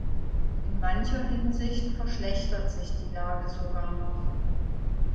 In mancher Hinsicht verschlechtert sich die Lage sogar noch.